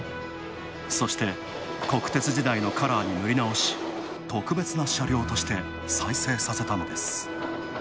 そして、国鉄時代のカラーに塗りなおし、特別な車両として再生させたのです。